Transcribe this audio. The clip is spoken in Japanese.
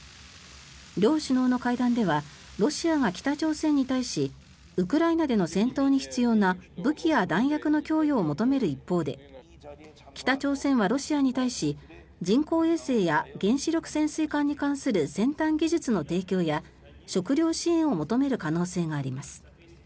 両首脳の会談ではロシアが北朝鮮に対しウクライナでの戦闘に必要な武器や弾薬の供与を求める一方で北朝鮮はロシアに対し人工衛星や原子力潜水艦に関する先端技術の提供や食料支援を求める可能性があります。